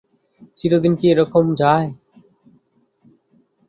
চিরদিন কি এরকম যায়?